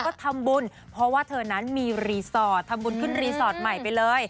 ก็ทำบุญเพราะว่าเธอนั้นมีรีสอร์ททำบุญขึ้นรีสอร์ทใหม่ไปเลย